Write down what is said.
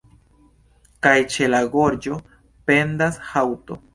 Kaj ĉe la gorĝo pendas haŭto.